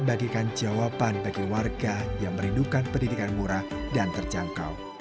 bagikan jawaban bagi warga yang merindukan pendidikan murah dan terjangkau